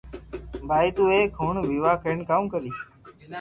بائي تو ايڪ ھڻ ويوا ڪرين ڪاوُ ڪرو